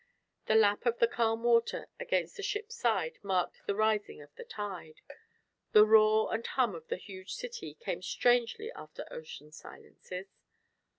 The lap of the calm water against the ship's side marked the rising of the tide; the roar and hum of the huge city came strangely after ocean silences.